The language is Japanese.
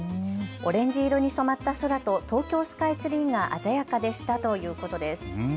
オレンジ色に染まった空と東京スカイツリーが鮮やかでしたということです。